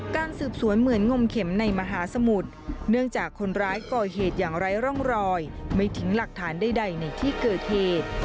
การสืบสวนเหมือนงมเข็มในมหาสมุทรเนื่องจากคนร้ายก่อเหตุอย่างไร้ร่องรอยไม่ทิ้งหลักฐานใดในที่เกิดเหตุ